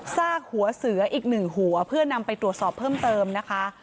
ซากหัวเสืออีกหนึ่งหัวเพื่อนำไปตรวจสอบเพิ่มเติมนะคะ